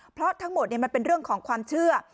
เพราะทั้งหมดมันเป็นเรื่องของความเชื่อ